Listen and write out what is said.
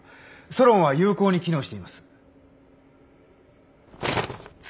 ソロンは有効に機能しています。